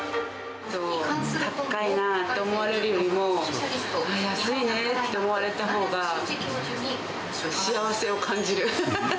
高いなって思われるよりも、ああ、安いねって思われたほうが、幸せを感じる。